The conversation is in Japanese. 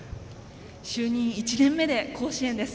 就任１年目で甲子園です。